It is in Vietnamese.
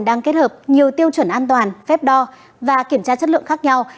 đang kết hợp nhiều tiêu chuẩn an toàn phép đo và kiểm tra chất lượng khác nhau